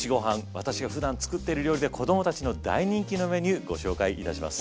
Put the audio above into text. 私がふだん作っている料理で子供たちの大人気のメニューご紹介いたします。